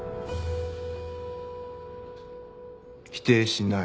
否定しない。